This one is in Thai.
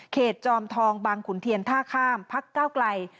จอมทองบางขุนเทียนท่าข้ามพักเก้าไกล